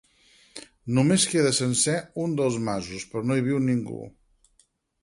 Només queda sencer un dels masos però no hi viu ningú.